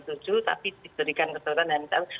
tuju tapi disediakan kesehatan dan mencari